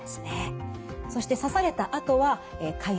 そして刺されたあとは前田さん